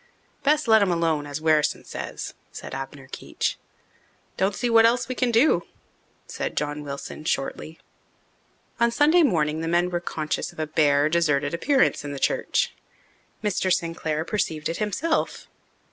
"Best let 'em alone, as Wherrison says," said Abner Keech. "Don't see what else we can do," said John Wilson shortly. On Sunday morning the men were conscious of a bare, deserted appearance in the church. Mr. Sinclair perceived it himself.